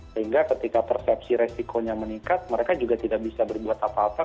sehingga ketika persepsi resikonya meningkat mereka juga tidak bisa berbuat apa apa